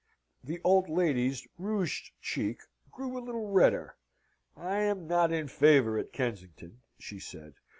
The old lady's rouged cheek grew a little redder. "I am not in favour at Kensington," she said.